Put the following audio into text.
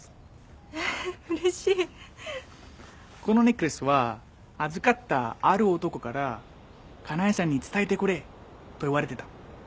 このネックレスは預かったある男から香苗さんに伝えてくれと言われてた。